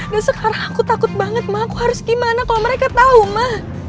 dan sekarang aku takut banget ma aku harus gimana kalau mereka tahu ma